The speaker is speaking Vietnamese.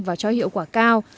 và cho hiệu quả cao